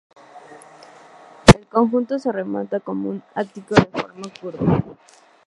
El conjunto se remata con un ático de forma curva.